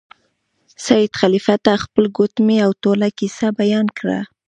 سید خلیفه ته خپله ګوتمۍ او ټوله کیسه بیان کړه.